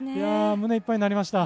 胸いっぱいになりました。